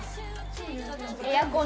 エアコン！